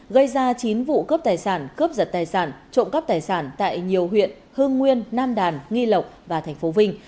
gây ra chín vụ cướp tài sản cướp giật tài sản trộm cắp tài sản tại nhiều huyện hương nguyên nam đàn nghi lộc và tp vinh